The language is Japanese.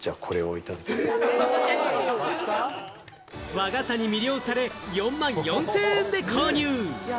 和傘に魅了され、４万４０００円で購入。